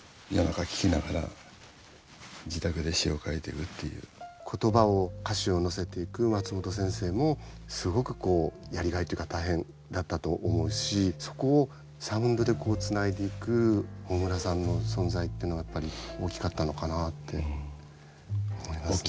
大体のオケが言葉を歌詞を乗せていく松本先生もすごくこうやりがいというか大変だったと思うしそこをサウンドでつないでいく大村さんの存在っていうのはやっぱり大きかったのかなって思いますね。